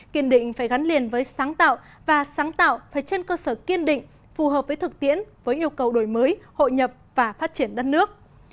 kiên định phải gắn liền với sáng tạo và sáng tạo phải trên cơ sở kiên định phù hợp với thực tiễn với yêu cầu đổi mới hội nhập và phát triển đất nước